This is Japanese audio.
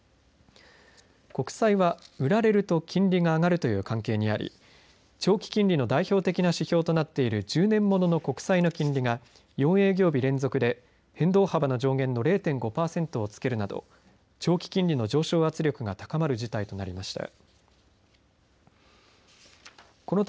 国債は売られると金利が上がるという関係にあり長期金利の代表的な指標となっている１０年ものの国債の金利が４営業日連続で変動幅の上限の０．５パーセントを付けるなど長期金利の上昇圧力が高まる事態となりました。